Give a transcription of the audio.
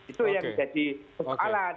itu yang menjadi persoalan